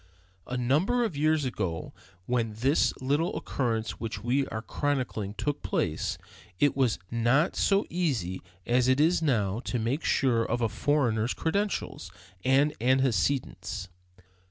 A number of years ago, when this little occurrence which we are chronicling took place, it was not so easy as it is now to make sure of a foreigner's credentials and antecedents.